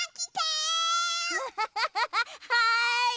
はい。